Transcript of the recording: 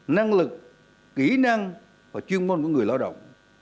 năng lực kỹ năng và chuyên môn của người lao động